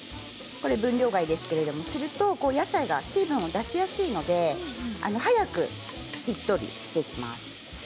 これ分量外ですがすると、お野菜が水分を出しやすいので早くしっとりしていきます。